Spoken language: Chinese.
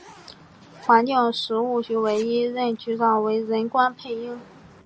环境食物局唯一一任局长为任关佩英。